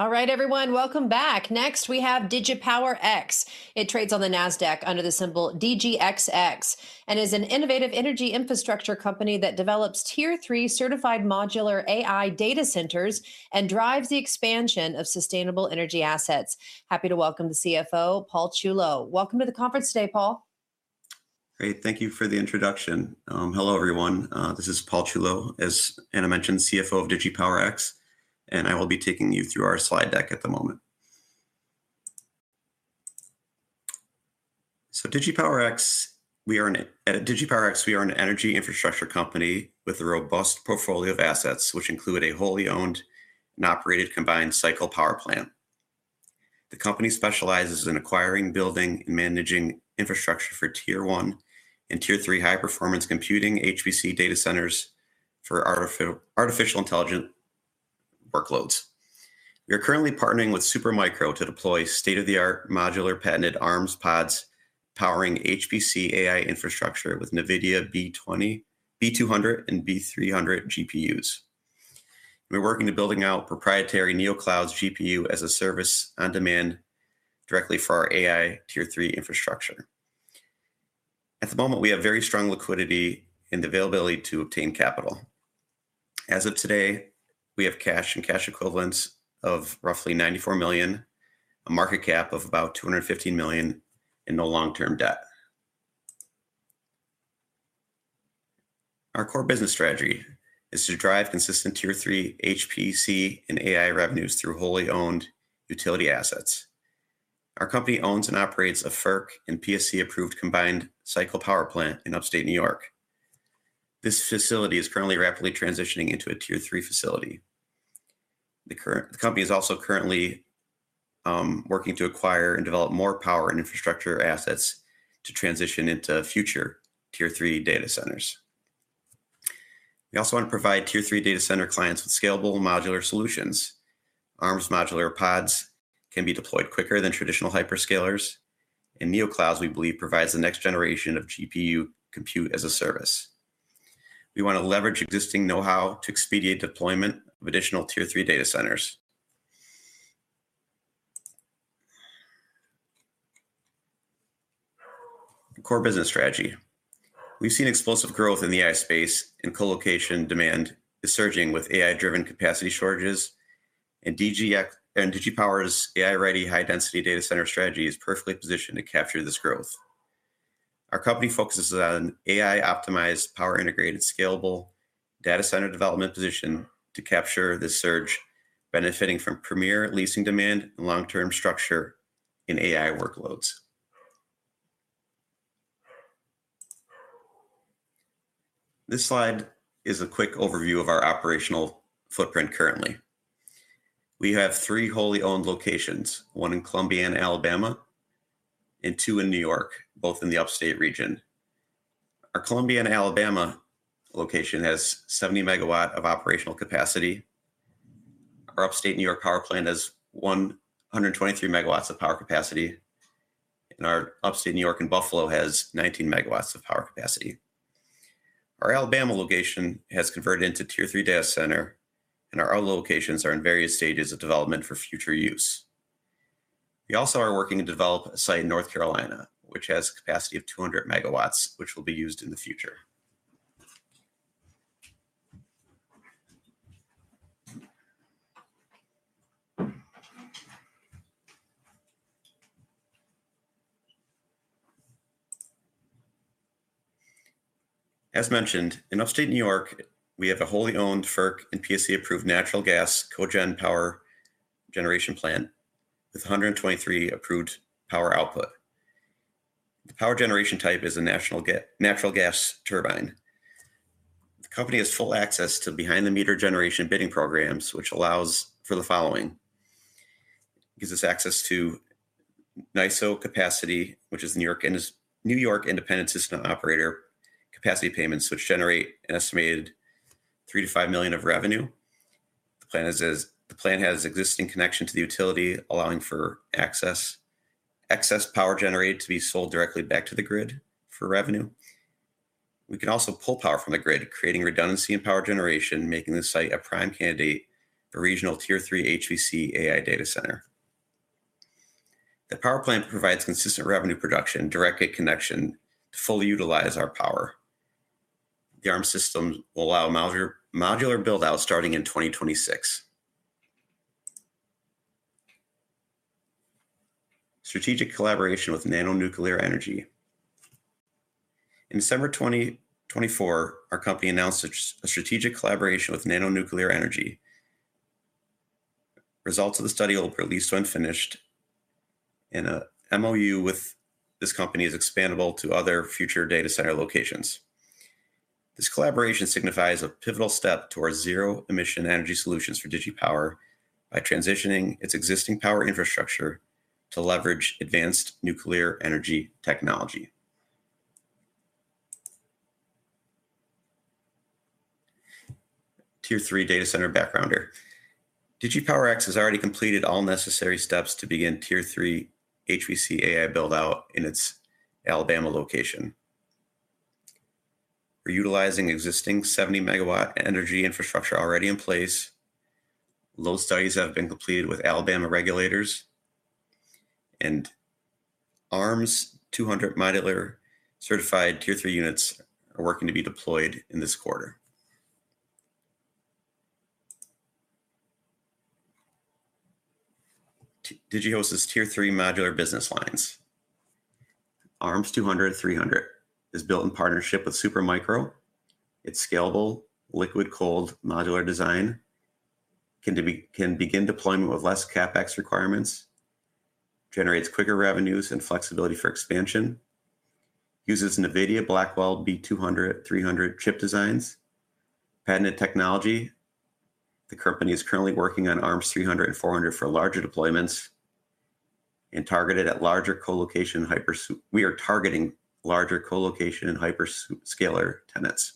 All right, everyone, welcome back. Next, we have DigiPowerX. It trades on the Nasdaq under the symbol DGHI, and is an innovative energy infrastructure company that develops Tier III certified modular AI data centers and drives the expansion of sustainable energy assets. Happy to welcome the CFO, Paul Culla. Welcome to the conference today, Paul. Great, thank you for the introduction. Hello, everyone. This is Paul Culla, as Anna mentioned, CFO of DigiPowerX, and I will be taking you through our slide deck at the moment. So DigiPowerX, at DigiPowerX, we are an energy infrastructure company with a robust portfolio of assets, which include a wholly owned and operated combined cycle power plant. The company specializes in acquiring, building, and managing infrastructure for Tier I and Tier III high-performance computing, HPC data centers for artificial intelligence workloads. We are currently partnering with Supermicro to deploy state-of-the-art modular patented ARS pods, powering HPC AI infrastructure with NVIDIA B200, B200, and B300 GPUs. We're working to building out proprietary NeoClouds GPU as a service on demand directly for our AI Tier III infrastructure. At the moment, we have very strong liquidity and availability to obtain capital. As of today, we have cash and cash equivalents of roughly $94 million, a market cap of about $250 million, and no long-term debt. Our core business strategy is to drive consistent Tier III HPC and AI revenues through wholly owned utility assets. Our company owns and operates a FERC and PSC-approved combined cycle power plant in Upstate New York. This facility is currently rapidly transitioning into a Tier III facility. The company is also currently working to acquire and develop more power and infrastructure assets to transition into future Tier III data centers. We also want to provide Tier III data center clients with scalable modular solutions. ARS modular pods can be deployed quicker than traditional hyperscalers, and NeoClouds, we believe, provides the next generation of GPU compute as a service. We want to leverage existing know-how to expedite deployment of additional Tier III data centers. Core business strategy. We've seen explosive growth in the AI space, and colocation demand is surging with AI-driven capacity shortages, and Digihost and DigiPowerX's AI-ready, high-density data center strategy is perfectly positioned to capture this growth. Our company focuses on an AI-optimized, power-integrated, scalable data center development position to capture this surge, benefiting from premier leasing demand and long-term structure in AI workloads. This slide is a quick overview of our operational footprint currently. We have three wholly owned locations: one in Columbiana, Alabama, and two in New York, both in the Upstate region. Our Columbiana, Alabama, location has seventy megawatts of operational capacity. Our Upstate New York power plant has one hundred and twenty-three megawatts of power capacity, and our Upstate New York in Buffalo has nineteen megawatts of power capacity. Our Alabama location has converted into a Tier III data center, and our other locations are in various stages of development for future use. We also are working to develop a site in North Carolina, which has a capacity of 200 MW, which will be used in the future. As mentioned, in Upstate New York, we have a wholly owned FERC and PSC-approved natural gas cogen power generation plant with 123 MW approved power output. The power generation type is a natural gas turbine. The company has full access to behind-the-meter generation bidding programs, which allows for the following: gives us access to NYISO capacity, which is New York and is New York Independent System Operator capacity payments, which generate an estimated $3 million-$5 million of revenue. The plan is... The plan has existing connection to the utility, allowing for access to excess power generated to be sold directly back to the grid for revenue. We can also pull power from the grid, creating redundancy in power generation, making this site a prime candidate for regional Tier III HPC AI data center. The power plant provides consistent revenue production, direct grid connection to fully utilize our power. The ARS system will allow modular build-out starting in twenty twenty-six. Strategic collaboration with NANO Nuclear Energy. In December twenty twenty-four, our company announced a strategic collaboration with NANO Nuclear Energy. Results of the study will be released when finished, and a MOU with this company is expandable to other future data center locations. This collaboration signifies a pivotal step towards zero emission energy solutions for DigiPowerX by transitioning its existing power infrastructure to leverage advanced nuclear energy technology. Tier III data center backgrounder. DigiPowerX has already completed all necessary steps to begin Tier III HPC AI build-out in its Alabama location. We're utilizing existing 70-megawatt energy infrastructure already in place. Load studies have been completed with Alabama regulators, and 200 modular certified Tier 3 units are working to be deployed in this quarter. Digihost's Tier 3 modular business lines. 200 and 300 is built in partnership with Supermicro. It's scalable, liquid-cooled modular design, can begin deployment with less CapEx requirements, generates quicker revenues and flexibility for expansion, uses NVIDIA Blackwell B200, 300 chip designs, patented technology. The company is currently working on 300 and 400 for larger deployments, and targeted at larger co-location hyperscalers. We are targeting larger co-location and hyperscaler tenants.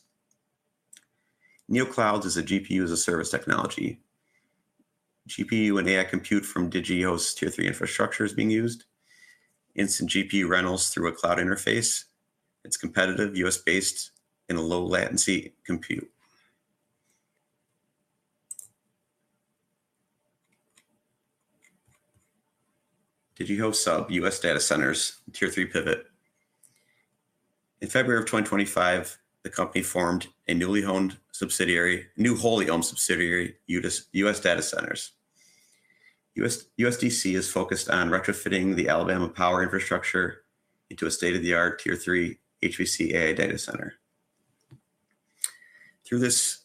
NeoClouds is a GPU-as-a-service technology. GPU and AI compute from Digihost Tier 3 infrastructure is being used. Instant GPU rentals through a cloud interface. It's competitive, US-based, and a low-latency compute. Digihost's US Data Centers Tier 3 Pivot. In February of twenty twenty-five, the company formed a new wholly owned subsidiary, US Data Centers. USDC is focused on retrofitting the Alabama power infrastructure into a state-of-the-art Tier 3 HPC AI data center. Through this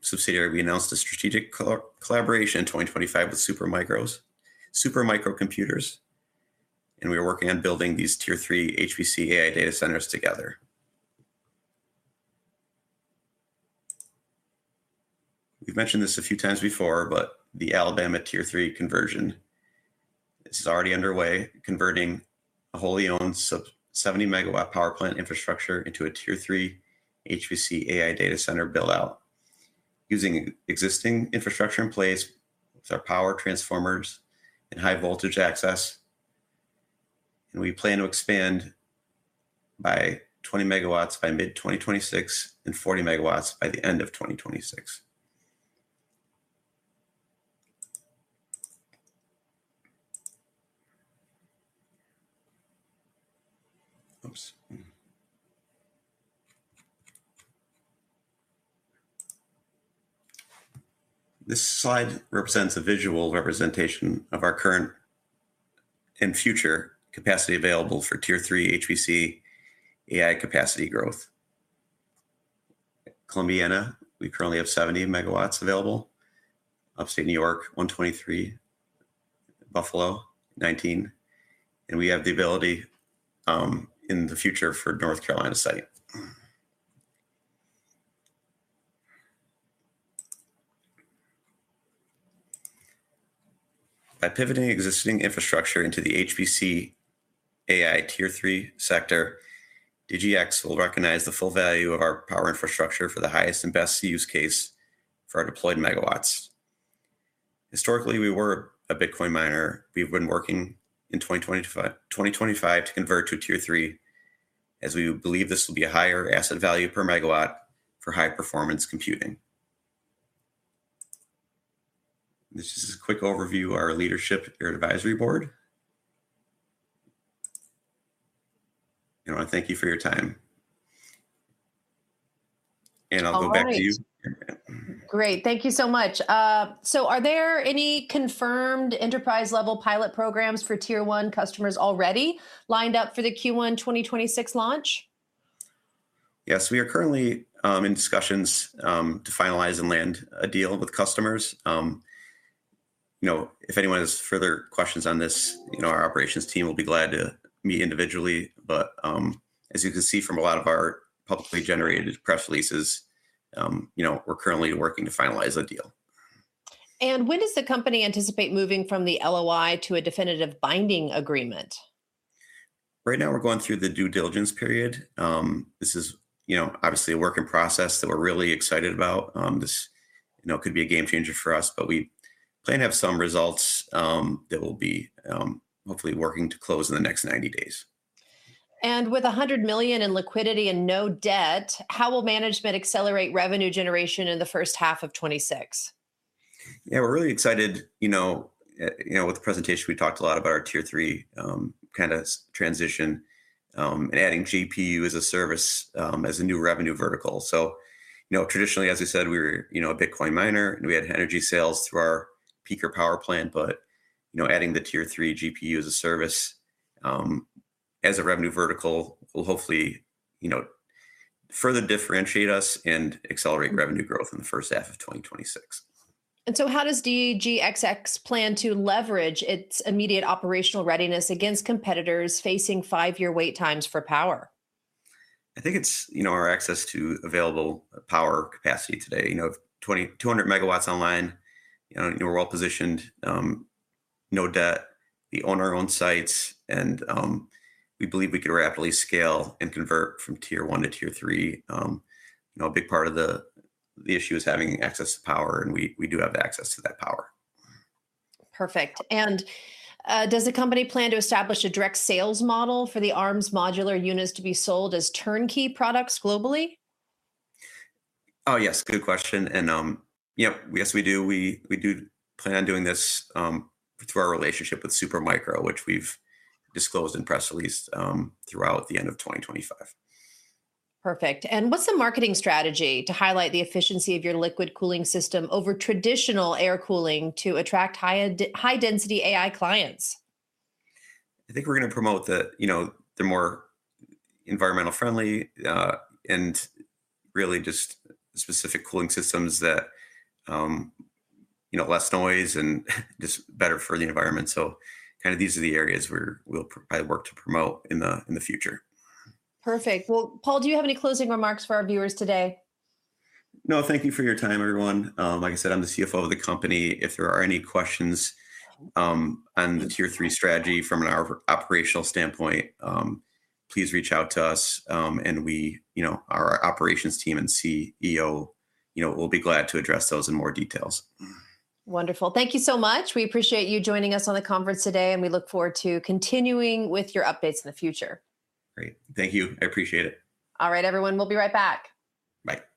subsidiary, we announced a strategic collaboration in twenty twenty-five with Super Micro Computer, and we are working on building these Tier 3 HPC AI data centers together. We've mentioned this a few times before, but the Alabama Tier 3 conversion is already underway, converting a wholly owned 70-megawatt power plant infrastructure into a Tier 3 HPC AI data center build-out, using existing infrastructure in place with our power transformers and high voltage access. We plan to expand by 20 MW by mid-2026 and 40 MW by the end of 2026. Oops. This slide represents a visual representation of our current and future capacity available for Tier 3 HPC AI capacity growth. Columbiana, we currently have 70 MW available. Upstate New York, 123. Buffalo, 19, and we have the ability in the future for North Carolina site. By pivoting existing infrastructure into the HPC AI Tier 3 sector, DGX will recognize the full value of our power infrastructure for the highest and best use case for our deployed megawatts. Historically, we were a Bitcoin miner. We've been working in 2025 to convert to Tier 3, as we believe this will be a higher asset value per megawatt for high-performance computing. This is a quick overview of our leadership and advisory board. I want to thank you for your time. And I'll go back to you. All right. Great. Thank you so much. So are there any confirmed enterprise-level pilot programs for Tier 1 customers already lined up for the Q1 2026 launch? Yes, we are currently in discussions to finalize and land a deal with customers. You know, if anyone has further questions on this, you know, our operations team will be glad to meet individually, but as you can see from a lot of our publicly generated press releases, you know, we're currently working to finalize a deal. When does the company anticipate moving from the LOI to a definitive binding agreement? Right now, we're going through the due diligence period. This is, you know, obviously a work in process that we're really excited about. This, you know, could be a game changer for us, but we plan to have some results that will be hopefully working to close in the next ninety days. With $100 million in liquidity and no debt, how will management accelerate revenue generation in the first half of 2026? Yeah, we're really excited. You know, with the presentation, we talked a lot about our Tier 3 kind of transition and adding GPU-as-a-service as a new revenue vertical, so you know, traditionally, as I said, we were you know, a Bitcoin miner, and we had energy sales through our peaker power plant. But you know, adding the Tier 3 GPU-as-a-service as a revenue vertical will hopefully you know, further differentiate us and accelerate revenue growth in the first half of twenty twenty-six. How does DGHI plan to leverage its immediate operational readiness against competitors facing five-year wait times for power? I think it's, you know, our access to available power capacity today. You know, two hundred megawatts online, you know, we're well positioned, no debt. We own our own sites, and, we believe we can rapidly scale and convert from Tier 1 to Tier 3. You know, a big part of the issue is having access to power, and we do have access to that power. Perfect. And, does the company plan to establish a direct sales model for the ARS modular units to be sold as turnkey products globally? Oh, yes, good question, and yeah, yes, we do. We do plan on doing this, through our relationship with Supermicro, which we've disclosed in press release, throughout the end of twenty twenty-five. Perfect. And what's the marketing strategy to highlight the efficiency of your liquid cooling system over traditional air cooling to attract high-density AI clients? I think we're gonna promote the, you know, the more environmentally friendly, and really just specific cooling systems that, you know, less noise and just better for the environment. So kind of these are the areas where we'll probably work to promote in the future. Perfect. Well, Paul, do you have any closing remarks for our viewers today? No. Thank you for your time, everyone. Like I said, I'm the CFO of the company. If there are any questions on the Tier 3 strategy from an operational standpoint, please reach out to us, and we, you know, our operations team and CEO, you know, will be glad to address those in more details. Wonderful. Thank you so much. We appreciate you joining us on the conference today, and we look forward to continuing with your updates in the future. Great. Thank you. I appreciate it. All right, everyone, we'll be right back. Bye.